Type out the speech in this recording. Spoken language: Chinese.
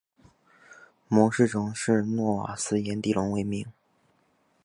模式种是诺瓦斯颜地龙为名。